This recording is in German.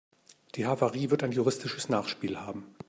Die Havarie wird ein juristisches Nachspiel haben.